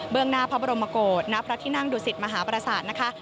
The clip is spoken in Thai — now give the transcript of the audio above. เบื้องหน้าพระบรมโมโกศณพระทินั่งดุสิตมหาประสาท